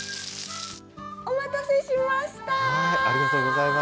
お待たせしました。